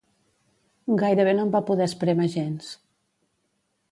Gairebé no en va poder esprémer gens.